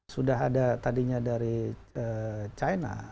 sudah ada tadinya dari china